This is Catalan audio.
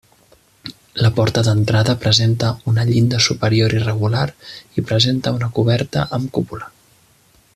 La porta d'entrada presenta una llinda superior irregular i presenta una coberta amb cúpula.